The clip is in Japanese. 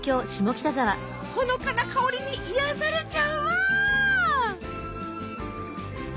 ほのかな香りに癒やされちゃうわ！